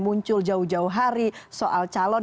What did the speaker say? muncul jauh jauh hari soal calon